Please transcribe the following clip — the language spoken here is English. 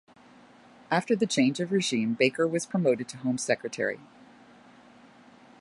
After the change of regime Baker was promoted to Home Secretary.